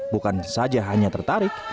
bukan saja hanya tertarik